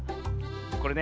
これね